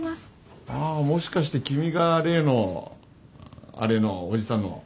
ああもしかして君が例のアレのおじさんの。